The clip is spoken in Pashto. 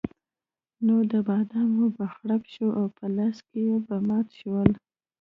نو د بادامو به خرپ شو او په لاس کې به مات شول.